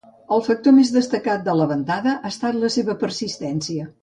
El factor més destacat de la ventada ha estat la seva persistència.